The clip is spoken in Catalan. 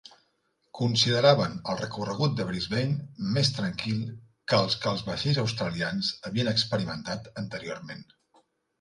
Consideraven el recorregut de "Brisbane" més tranquil que els que els vaixells australians havien experimentat anteriorment.